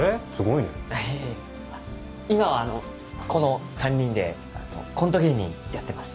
いえいえ今はこの３人でコント芸人やってます。